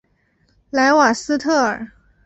莱瓦斯特尔。